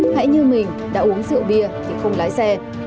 hãy như mình đã uống rượu bia thì không lái xe